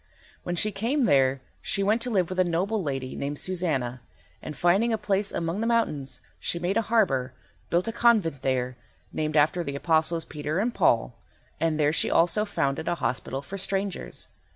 When she came there she went to live with a noble lady named Susanna, and, finding a place among the mountains, she made a harbour, built a convent there named after the apostles Peter and Paul, and there she also founded a hospital for strangers.